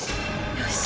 よし！